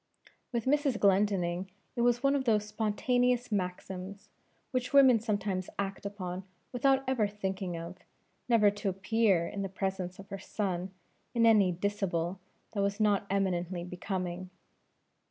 With Mrs. Glendinning it was one of those spontaneous maxims, which women sometimes act upon without ever thinking of, never to appear in the presence of her son in any dishabille that was not eminently becoming.